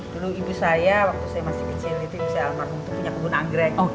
dulu ibu saya waktu saya masih kecil itu bisa almarhum itu punya kebun anggrek